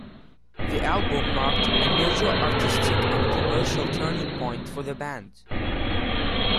The album marked a major artistic and commercial turning point for the band.